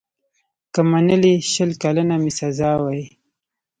که منلې شل کلنه مي سزا وای